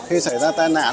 khi xảy ra tai nạn